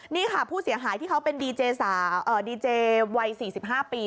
นี่ค่ะผู้เสียหายที่เขาเป็นดีเจวัย๔๕ปี